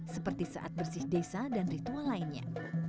seperti saat bersih desa dan ritual lainnya